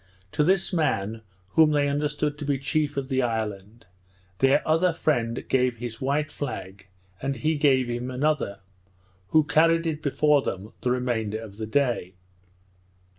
To this man, whom they understood to be chief of the island, their other friend gave his white flag, and he gave him another, who carried it before them the remainder of the day.